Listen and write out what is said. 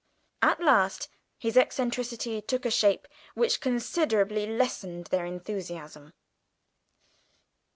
At last his eccentricity took a shape which considerably lessened their enthusiasm.